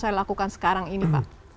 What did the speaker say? yang lakukan sekarang ini pak